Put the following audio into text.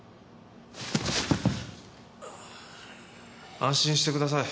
安心してください。